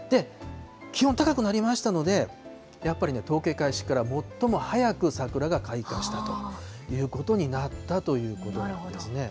気温高くなりましたので、やっぱりね、統計開始から最も早く桜が開花したということになったということなんですね。